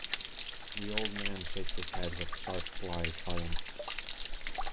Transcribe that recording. The old man shakes his head with sharp sly triumph.